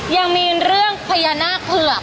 ยังมีเรื่องพญานาคเผือก